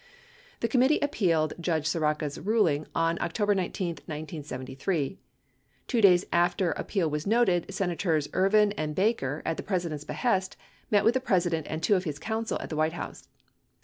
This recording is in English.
The committee appealed Judge Sirica's ruling on October 19, 1973. Two days after appeal was noted. Senators Ervin and Baker, at the President's behest, met with the President and two of his counsel at the White House.